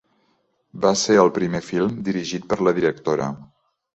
Va ser el primer film dirigit per la directora.